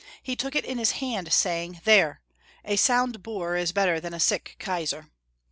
He tctok it in his hand, saying, " There ! a sound boor is better than a sick Kaosar."